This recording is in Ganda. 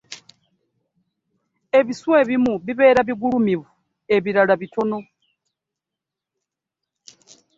Ebiswa ebimu bibera bigulumivuebirala bitono.